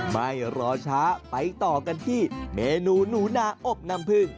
ไม่รอช้าไปต่อกันที่เมนูหนูนาอบน้ำพึ่ง